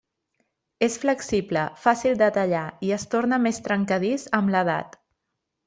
És flexible, fàcil de tallar, i es torna més trencadís amb l'edat.